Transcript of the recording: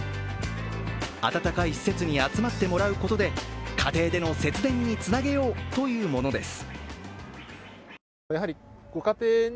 暖かい施設に集まってもらうことで家庭での節電につなげようというものです。